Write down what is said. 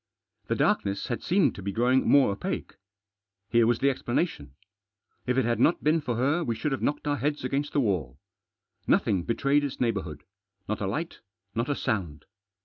The darkness had seemed to be growing more opaque. Here was the explanation. If it had not been for her we should have knocked our heads against the wall. Nothing betrayed its neighbourhood ; not a light, not a sound.